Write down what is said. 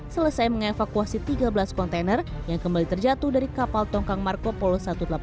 selesai mengevakuasi tiga belas kontainer yang kembali terjatuh dari kapal tongkang marco polo satu ratus delapan puluh